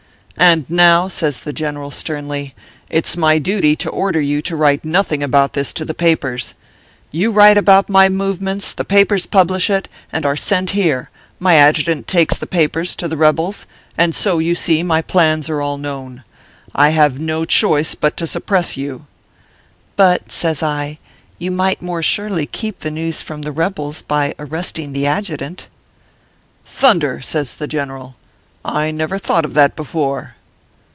And now," says the General, sternly, " it s my duty to order you to write nothing about this to the papers. You write about my movements ; the papers publish it, and are sent here ; my adjutant takes the papers to the reb els ; and so, you see, my plans are all known. I have no choice but to suppress you." "But," says I, "you might more surely keep the news from the rebels by arresting the adjutant." " Thunder !" says the general, " I never thought of that before."